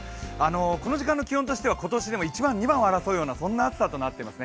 この時間の気温としては今年１番、２番を争うような気温となっています。